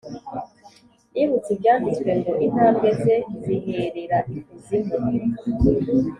nibutse, ibyanditswe ngo, intambwe ze ziherera ikuzimu